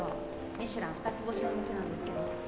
ミシュラン２つ星の店なんですけど